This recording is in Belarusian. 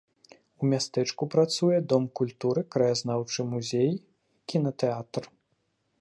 У мястэчку працуе дом культуры, краязнаўчы музей, кінатэатр.